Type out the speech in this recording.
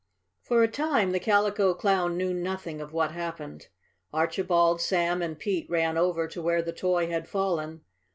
For a time the Calico Clown knew nothing of what happened. Archibald, Sam and Pete ran over to where the toy had fallen.